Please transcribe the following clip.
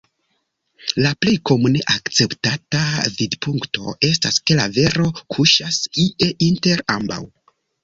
La plej komune akceptata vidpunkto estas ke la vero kuŝas ie inter ambaŭ.